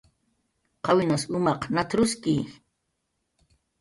"¿Qawinas umaq nat""ruski?"